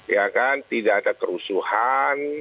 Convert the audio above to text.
ya kan tidak ada kerusuhan